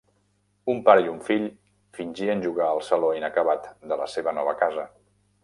Un pare i un fill fingien jugar al saló inacabat de la seva nova casa.